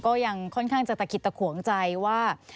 ก็ยังค่อนข้างจะตะขิดตะขวงใจว่า